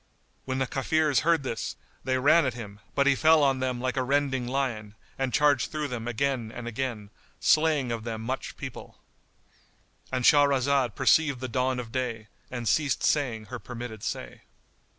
When the Kafirs heard this, they ran at him, but he fell on them like a rending lion and charged through them again and again, slaying of them much people;——And Shahrazad perceived the dawn of day and ceased saying her permitted say.